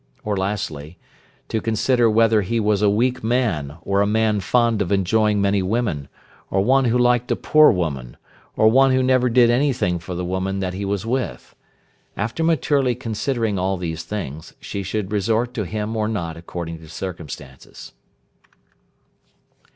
Or, lastly, to consider whether he was a weak man, or a man fond of enjoying many women, or one who liked a poor woman, or one who never did anything for the woman that he was with. After maturely considering all these things, she should resort to him or not, according to circumstances.